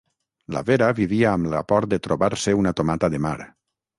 La Vera vivia amb la por de trobar-se una tomata de mar.